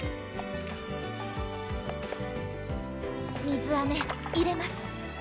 水あめ入れます